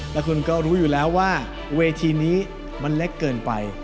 แล้วคุณก็รู้อยู่แล้วว่าเวทีนี้มันเล็กเกินไป